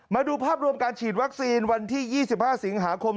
มาดูภาพรวมการฉีดวัคซีนวันที่๒๕สิงหาคม